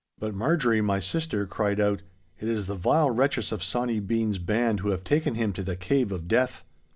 But Marjorie, my sister, cried out, "It is the vile wretches of Sawny Bean's band who have taken him to the Cave of Death!"